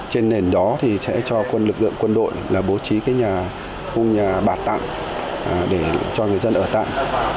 trên nền đó thì sẽ cho lực lượng quân đội bố trí khung nhà bà tạm để cho người dân ở tạm